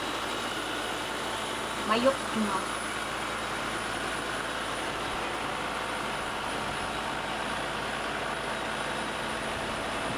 Mayuqtuŋa.